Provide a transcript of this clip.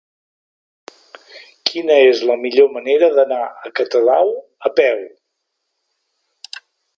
Quina és la millor manera d'anar a Catadau a peu?